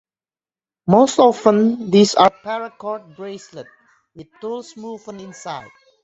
Most often these are paracord bracelets with tools woven inside.